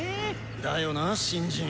だよな新人。